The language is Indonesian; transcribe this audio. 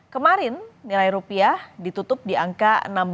kemarin nilai rupiah ditutup di angka enam belas satu ratus tujuh puluh